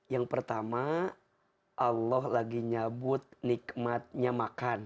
yang pertama allah lagi nyabut nikmatnya makan